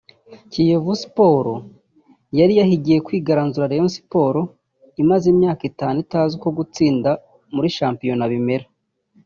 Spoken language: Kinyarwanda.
Kiyovu Sports yari yahigiye kwigaranzura Rayon Sports imaze imyaka itanu itazi uko kuyitsinda muri shampiyona bimera